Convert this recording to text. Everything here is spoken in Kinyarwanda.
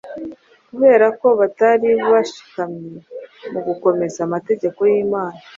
kubera ko batari bashikamye, mu gukomeza amategeko y’Imana.